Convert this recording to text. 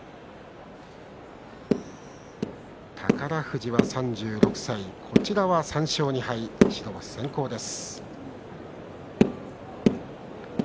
宝富士は３６歳こちらは３勝２敗白星先行です。